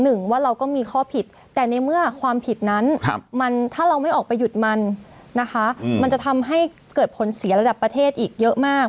หนึ่งว่าเราก็มีข้อผิดแต่ในเมื่อความผิดนั้นมันถ้าเราไม่ออกไปหยุดมันนะคะมันจะทำให้เกิดผลเสียระดับประเทศอีกเยอะมาก